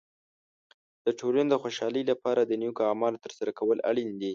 د ټولنې د خوشحالۍ لپاره د نیکو اعمالو تر سره کول اړین دي.